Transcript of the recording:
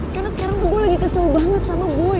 karena sekarang gue lagi kesel banget sama boy